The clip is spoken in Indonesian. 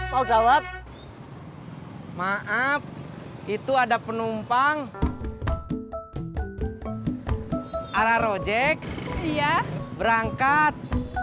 mau jawab maaf itu ada penumpang arah rojek berangkat